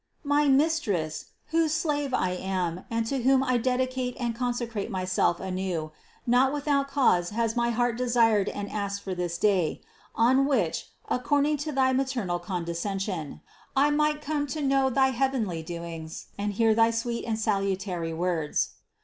"My Mistress, whose slave I am and to whom I dedicate and consecrate myself anew; not without cause has my heart desired and asked for this day, on which, according to thy maternal condescension, I might come to know thy heavenly doings and hear thy sweet THE CONCEPTION 197 and salutary words.